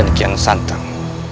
rai kian santang